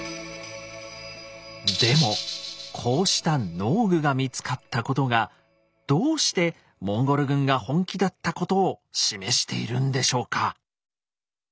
でもこうした農具が見つかったことがどうしてモンゴル軍が本気だったことを示しているんでしょうか？